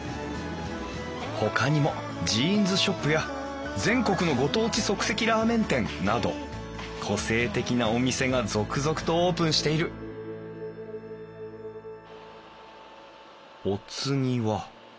ほかにもジーンズショップや全国のご当地即席ラーメン店など個性的なお店が続々とオープンしているお次は。